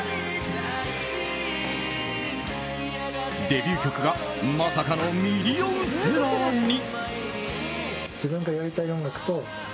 デビュー曲がまさかのミリオンセラーに。